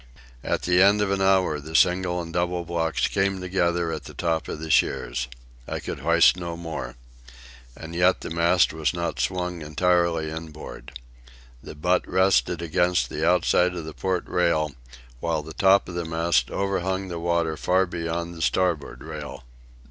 At the end of an hour the single and double blocks came together at the top of the shears. I could hoist no more. And yet the mast was not swung entirely inboard. The butt rested against the outside of the port rail, while the top of the mast overhung the water far beyond the starboard rail.